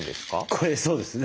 これそうですね。